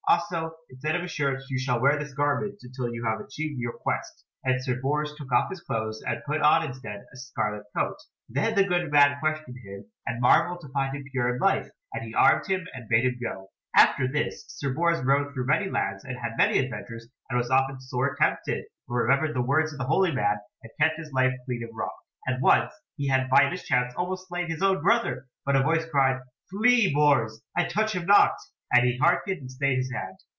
Also instead of a shirt you shall wear this garment until you have achieved your quest," and Sir Bors took off his clothes, and put on instead a scarlet coat. Then the good man questioned him, and marvelled to find him pure in life, and he armed him and bade him go. [Illustration: HOW SIR BORS WAS SAVED FROM KILLING HIS BROTHER] After this Sir Bors rode through many lands, and had many adventures, and was often sore tempted, but remembered the words of the holy man and kept his life clean of wrong. And once he had by mischance almost slain his own brother, but a voice cried, "Flee, Bors, and touch him not," and he hearkened and stayed his hand.